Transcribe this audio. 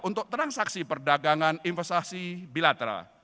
untuk transaksi perdagangan investasi bilateral